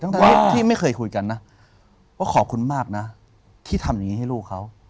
ที่ไม่เคยคุยกันนะว่าขอบคุณมากนะที่ทำอย่างนี้ให้ลูกเขา